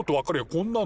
こんなん